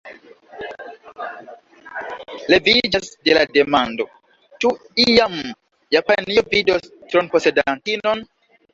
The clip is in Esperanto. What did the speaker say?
Leviĝas do la demando: ĉu iam Japanio vidos tronposedantinon?